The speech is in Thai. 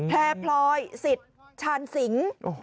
แพร่พลอยศิรรย์ชานสิง